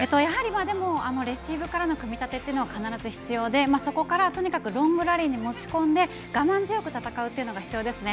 でも、レシーブからの組み立ては必ず必要でそこからとにかくロングラリーに持ち込み我慢強く戦うことですね。